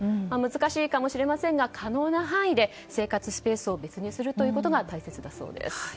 難しいかもしれませんが可能な範囲で生活スペースを別にすることが大切だそうです。